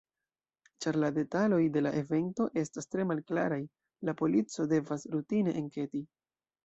Ĉar la detaloj de la evento estas tre malklaraj, la polico devas rutine enketi.